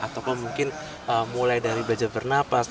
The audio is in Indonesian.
atau mungkin mulai dari belajar bernafas